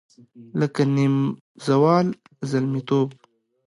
لکه نیمزال زلمیتوب